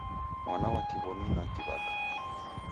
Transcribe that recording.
Mwana wa Kiw'omi na kiw'aka